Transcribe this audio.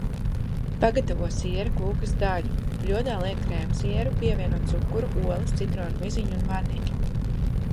Pagatavo siera kūkas daļu – bļodā liek krēmsieru, pievieno cukuru, olas, citrona miziņu un vaniļu.